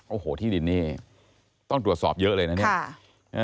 โอ้โหที่ดินนี่ต้องตรวจสอบเยอะเลยนะเนี่ย